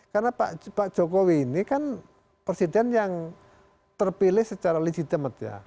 karena pak jokowi ini kan presiden yang terpilih secara legitimate ya